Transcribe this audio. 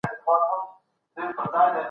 طبيعي علومو ډېر پرمختګ کړی دی.